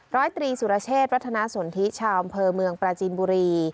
ร้อยตรีสุรเชษวัฒนาสนทิชาวอำเภอเมืองปราจีนบุรี